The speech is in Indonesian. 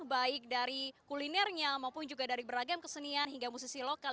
baik dari kulinernya maupun juga dari beragam kesenian hingga musisi lokal